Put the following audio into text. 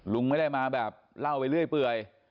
ลุงไม่ได้มาแบบเล่าไปเรื่อย